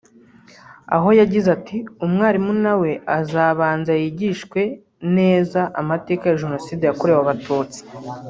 Aho yagize ati “Umwarimu na we azabanza yigishwe neza amateka ya Jenoside yakorewe Abatutsi